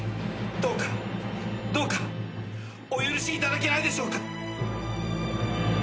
どうかどうかお許しいただけないでしょうか。